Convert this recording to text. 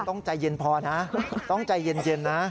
ต้องใจเย็นพอนะต้องใจเย็นนะ